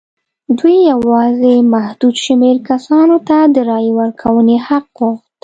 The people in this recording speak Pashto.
دوی یوازې محدود شمېر کسانو ته د رایې ورکونې حق غوښت.